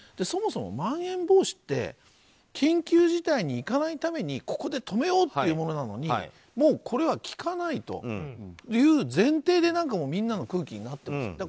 そもそもまん延防止って緊急事態にいかないためにここで止めようっていうものなのにこれは効かないという前提でみんなの空気になってます。